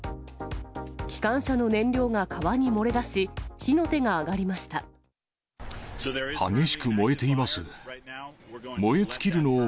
機関車の燃料が川に漏れ出し、激しく燃えています。